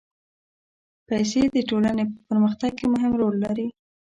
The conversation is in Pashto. پېسې د ټولنې په پرمختګ کې مهم رول لري.